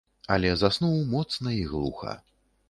Але заснуў моцна і глуха.